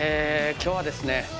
今日はですね。